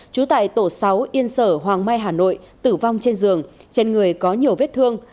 trú tại tổ sáu yên sở hoàng mai hà nội tử vong trên giường trên người có nhiều vết thương